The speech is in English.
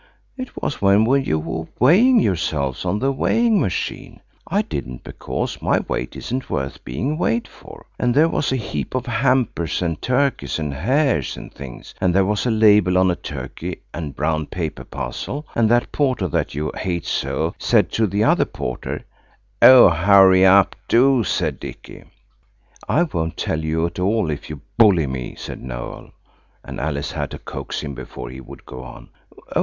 "It was when you were weighing yourselves on the weighing machine. I didn't because my weight isn't worth being weighed for. And there was a heap of hampers and turkeys and hares and things, and there was a label on a turkey and brown paper parcel; and that porter that you hate so said to the other porter–" "Oh, hurry up, do!" said Dicky. "I won't tell you at all if you bully me," said Noël, and Alice had to coax him before he would go on.